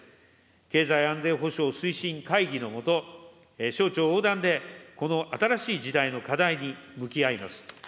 経済安全保障推進会議の下、省庁横断で、この新しい時代の課題に向き合います。